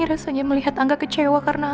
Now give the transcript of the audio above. rasanya melihat angga kecewa karena